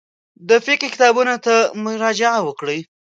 د فقهي کتابونو ته مراجعه وکړو.